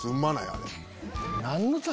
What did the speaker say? あれ。